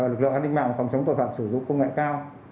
lực lượng an ninh mạng phòng chống tội phạm sử dụng công nghệ cao